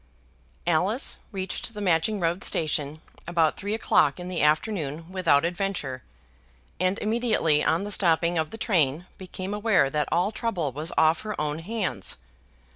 Alice reached the Matching Road Station about three o'clock in the afternoon without adventure, and immediately on the stopping of the train became aware that all trouble was off her own hands.